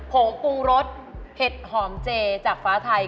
งปรุงรสเห็ดหอมเจจากฟ้าไทย